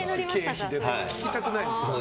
聞きたくないですけど。